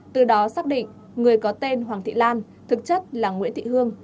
từ đó xác định người có tên hoàng thị lan thực chất là nguyễn thị hương